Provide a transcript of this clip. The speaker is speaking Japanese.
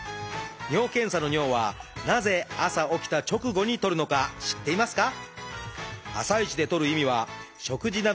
尿検査の尿はなぜ朝起きた直後にとるのか知っていますか？